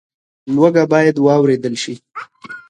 لوږه باید واورېدل شي.